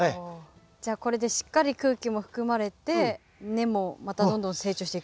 じゃあこれでしっかり空気も含まれて根もまたどんどん成長していく。